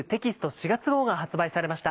４月号が発売されました。